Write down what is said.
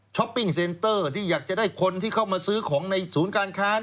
ปิ้งเซนเตอร์ที่อยากจะได้คนที่เข้ามาซื้อของในศูนย์การค้า